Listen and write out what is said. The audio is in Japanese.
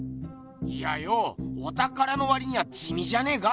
いやよぉおたからのわりにはじみじゃねえか？